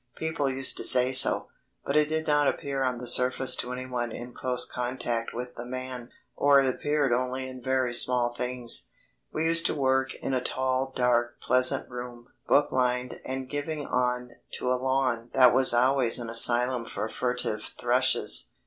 People used to say so, but it did not appear on the surface to anyone in close contact with the man; or it appeared only in very small things. We used to work in a tall, dark, pleasant room, book lined, and giving on to a lawn that was always an asylum for furtive thrushes.